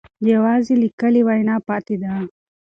یوازې لیکلې وینا پاتې ده.